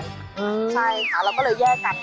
ใช่ค่ะเราก็เลยแยกกัน